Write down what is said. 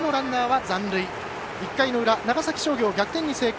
１回の裏、長崎商業、逆転に成功。